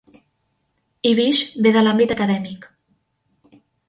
Ibish ve de l'àmbit acadèmic.